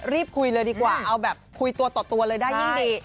รีบคุยเลยดีกว่าเอาแบบคุยตัวต่อตัวเลยได้ยิ่งดี